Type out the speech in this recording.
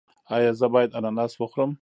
ایا زه باید اناناس وخورم؟